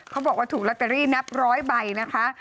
เขาบอกว่าถูกลอตเตอรี่นับร้อยใบนะคะ